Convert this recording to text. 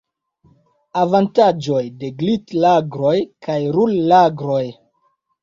Avantaĝoj de glit-lagroj kaj rul-lagroj.